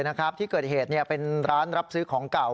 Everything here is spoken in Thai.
ที่เกิดเหตุเป็นร้านรับซื้อของเก่า